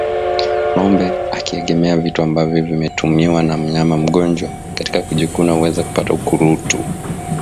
Ngombe akiegemea vitu ambavyo vimetumiwa na mnyama mgonjwa katika kujikuna huweza kupata ukurutu